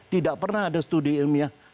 tidak pernah ada studi ilmiah